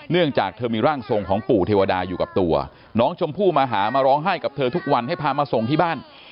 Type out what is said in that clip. จากเธอมีร่างทรงของปู่เทวดาอยู่กับตัวน้องชมพู่มาหามาร้องไห้กับเธอทุกวันให้พามาส่งที่บ้าน